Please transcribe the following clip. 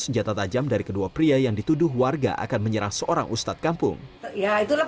senjata tajam dari kedua pria yang dituduh warga akan menyerang seorang ustadz kampung ya itulah